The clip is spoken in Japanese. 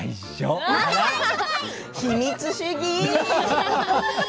秘密主義。